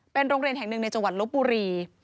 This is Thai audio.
เป็นโรงเรียนแห่งหนึ่งในจังหวัดลบบุรี